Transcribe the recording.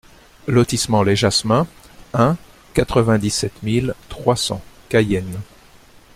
Lotissement Les Jasmins un, quatre-vingt-dix-sept mille trois cents Cayenne